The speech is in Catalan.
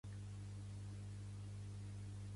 Al final el Roc em va socórrer amb el seu lloro.